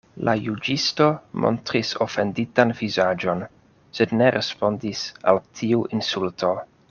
La juĝisto montris ofenditan vizaĝon, sed ne respondis al tiu insulto.